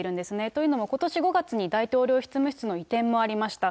というのも、ことし５月に大統領執務室の移転もありました。